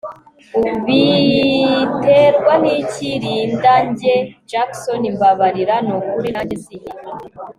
ubiterwa niki LindaNjye Jackson mbabarira nukuri nanjye sinjye